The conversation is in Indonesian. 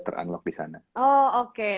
teranlog di sana oh oke